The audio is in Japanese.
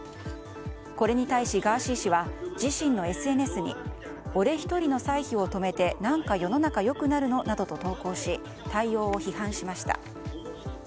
これに対し、ガーシー氏は自身のＳＮＳに俺１人の歳費を止めて何か世の中良くなるのなどと投稿し対応を批判しました。